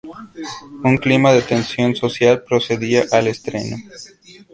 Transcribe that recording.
Un clima de tensión social precedía al estreno.